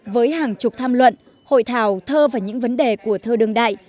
với hàng chục tham luận hội thảo thơ và những vấn đề của thơ đương đại